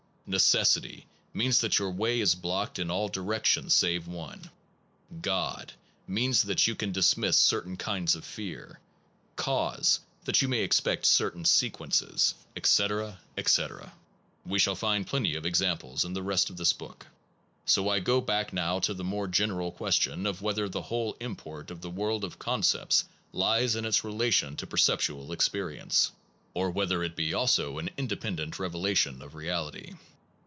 Ne cessity means that your way is blocked in all directions save one. God means that you can dismiss certain kinds of fear, cause that you may expect certain sequences, etc. etc. 62 PERCEPT AND CONCEPT We shall find plenty of examples in the rest of this book; so I go back now to the more general question of whether the whole import of the world of concepts lies in its relation to percep tual experience, or whether it be also an inde pendent revelation of reality.